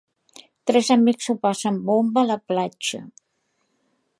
Tres amics s'ho passen bomba a la platja.